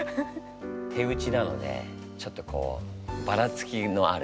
手打ちなのでちょっとこうバラつきのある。